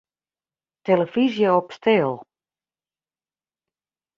Tillefyzje op stil.